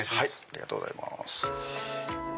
ありがとうございます。